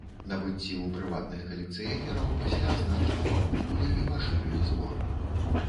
Набыцці ў прыватных калекцыянераў пасля значна папоўнілі і пашырылі збор.